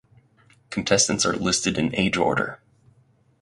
Contestants are listed in age order.